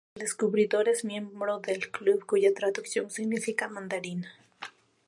El descubridor es miembro del club, cuya traducción significa "mandarina".